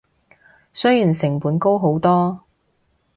雖然成本高好多